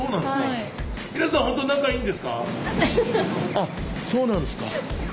あっそうなんですか。